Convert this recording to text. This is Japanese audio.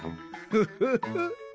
フフフ。